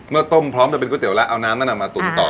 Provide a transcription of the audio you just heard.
เมื่อต้มพร้อมจะเป็นก๋วยเตี๋ยวแล้วเอาน้ำนั้นน่ะมาตุ๋นต่อ